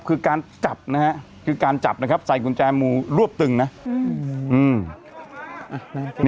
คือการจับนะฮะคือการจับนะครับใส่กุญแจมือรวบตึงนะอืม